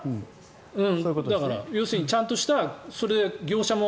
だから、要するにちゃんとした業者も。